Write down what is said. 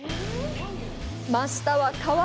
真下は川！